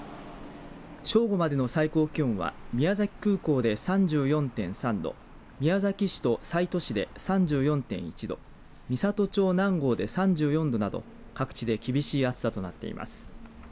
正午までの最高気温は宮崎空港で３４．３度宮崎市と西都市で３４．１度美郷町南郷で３４度など各地で厳しい暑さとなっています。